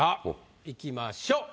いきましょう。